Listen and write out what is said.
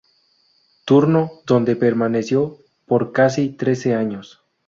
Turno, donde permaneció por casi trece años.